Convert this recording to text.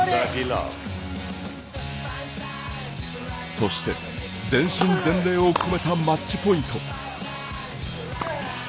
そして、全身全霊を込めたマッチポイント。